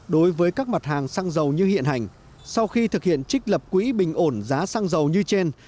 đối với các mặt hàng xăng dầu như hiện hành sau khi thực hiện trích lập quỹ bình ổn giá xăng dầu như trên